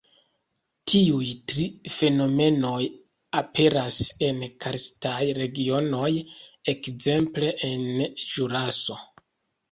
Tiuj tri fenomenoj aperas en karstaj regionoj, ekzemple en Ĵuraso.